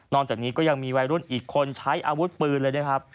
จากนี้ก็ยังมีวัยรุ่นอีกคนใช้อาวุธปืนเลยนะครับ